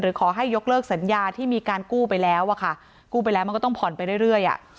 ขอให้ยกเลิกสัญญาที่มีการกู้ไปแล้วอะค่ะกู้ไปแล้วมันก็ต้องผ่อนไปเรื่อย